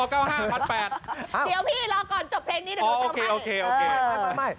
เดี๋ยวพี่รอก่อนจบเพลงนี้เดี๋ยวโดนเจอภัย